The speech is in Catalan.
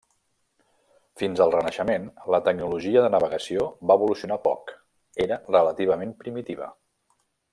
Fins al Renaixement, la tecnologia de navegació va evolucionar poc; era relativament primitiva.